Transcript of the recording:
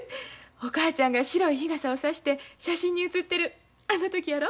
お母ちゃんが白い日傘を差して写真に写ってるあの時やろ？